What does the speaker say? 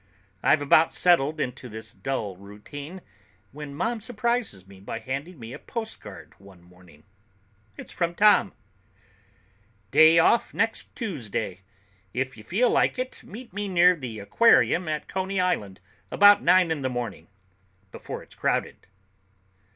I've about settled into this dull routine when Mom surprises me by handing me a postcard one morning. It's from Tom: "Day off next Tuesday. If you feel like it, meet me near the aquarium at Coney Island about nine in the morning, before it's crowded."